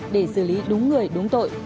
để xử lý đúng người đúng tội